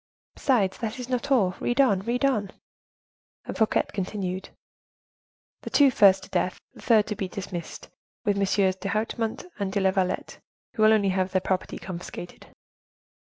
Besides, that is not all. Read on, read on;" and Fouquet continued,—"The two first to death, the third to be dismissed, with MM. d'Hautemont and de la Vallette, who will only have their property confiscated."